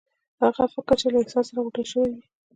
هغه فکر چې له احساس سره غوټه شوی وي.